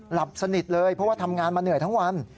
หลับสนิทเลยเพราะว่าทำงานมาเหนื่อยทั้งวัน